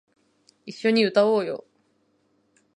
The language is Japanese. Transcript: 一緒に歌おうよ